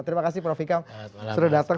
terima kasih prof ikam sudah datang